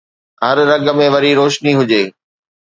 هر رڳ ۾ وري روشني هجي